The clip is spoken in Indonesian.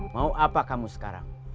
mau apa kamu sekarang